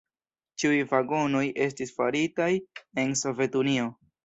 Ĉiuj vagonoj estis faritaj en Sovetunio.